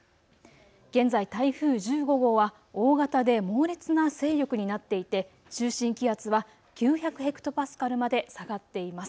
現在、台風１５号は大型で猛烈な勢力になっていて中心気圧は９００ヘクトパスカルまで下がっています。